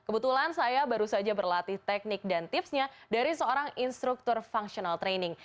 kebetulan saya baru saja berlatih teknik dan tipsnya dari seorang instruktur functional training